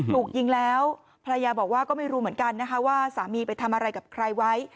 ถูกยิงแล้วภรรยาบอกว่าก็ไม่รู้เหมือนกันนะคะว่าสามีไปทำอะไรกับใครไว้